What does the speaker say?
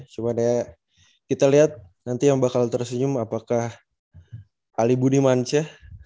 cuman ya kita liat nanti yang bakal tersenyum apakah alibuni manca